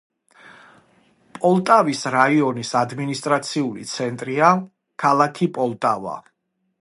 პოლტავის რაიონის ადმინისტრაციული ცენტრია ქალაქი პოლტავა.